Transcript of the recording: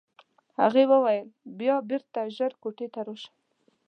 هغه یې وویل بیا بېرته ژر کوټې ته راشه.